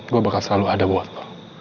gue bakal selalu ada buat lo